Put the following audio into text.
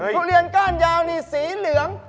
ทุเรียนก้านยาวนี่สีเหลือง